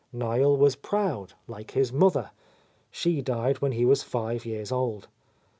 Niel was proud, like his mother; she died when he was five years old.